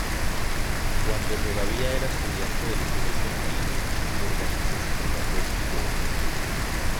Cuando todavía era estudiante del Colegio Andino, organizó su primer desfile de modas.